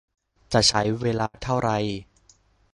จะใช้เวลาเท่าไร